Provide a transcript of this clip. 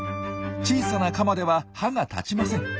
小さなカマでは歯が立ちません。